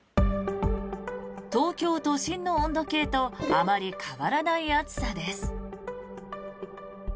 東京都心の温度計とあまり変わらない暑さです。